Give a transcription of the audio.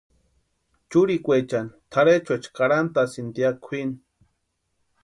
Churikwaechani tʼarhechuecha karhantasïnti ya kwʼini.